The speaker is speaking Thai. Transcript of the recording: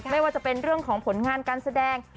ไม่ว่าจะเป็นเรื่องของผลงานการแสดง